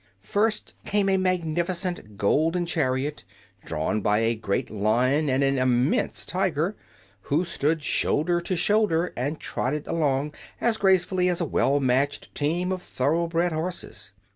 First came a magnificent golden chariot, drawn by a great Lion and an immense Tiger, who stood shoulder to shoulder and trotted along as gracefully as a well matched team of thoroughbred horses.